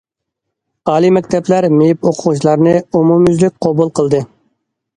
ئالىي مەكتەپلەر مېيىپ ئوقۇغۇچىلارنى ئومۇميۈزلۈك قوبۇل قىلدى.